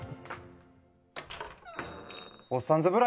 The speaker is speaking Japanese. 「おっさんずブラ」